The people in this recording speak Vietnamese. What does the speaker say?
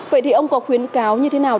vậy thì ông có khuyến cáo như thế nào